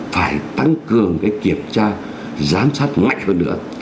phải tăng cường cái kiểm tra giám sát mạnh hơn nữa